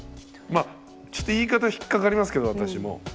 まあちょっと言い方は引っかかりますけど私も。